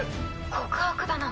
告白だな。